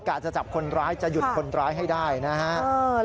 กล้าจะจับคนร้ายจะหยุดคนร้ายให้ได้นะครับ